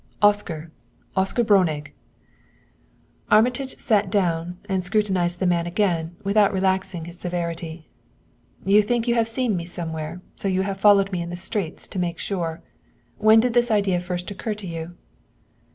"Oscar Oscar Breunig." Armitage sat down and scrutinized the man again without relaxing his severity. "You think you have seen me somewhere, so you have followed me in the streets to make sure. When did this idea first occur to you?"